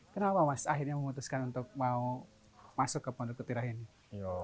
kenapa mas akhirnya memutuskan untuk mau masuk ke pondok ketirah ini